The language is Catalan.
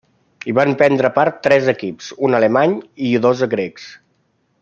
Hi van prendre part tres equips, un alemany i dos grecs.